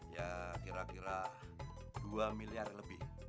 ya kira kira dua miliar lebih